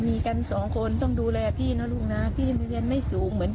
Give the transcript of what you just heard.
มีกันสองคนต้องดูแลพี่นะลูกนะพี่เรียนไม่สูงเหมือนกัน